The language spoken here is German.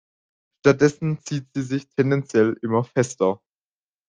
Stattdessen zieht sie sich tendenziell immer fester.